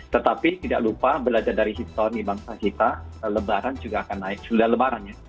tetapi tidak lupa belajar dari histoni bangsa kita lebaran juga akan naik sudah lebaran ya